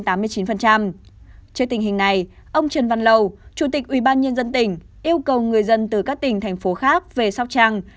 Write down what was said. trên tình hình này ông trần văn lầu chủ tịch ubnd tỉnh yêu cầu người dân từ các tỉnh thành phố khác về sóc trăng